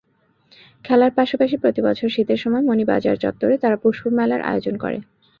খেলার পাশাপাশি প্রতিবছর শীতের সময়ে মণিবাজার চত্বরে তারা পুষ্পমেলার আয়োজন করে।